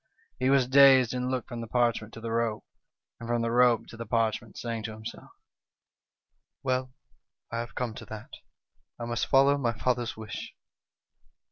" He was dazed, and looked from the parchment to the rope, and from the rope to the parchment, saying to himself : 'Well, I have come to that, I must follow my father's wish.'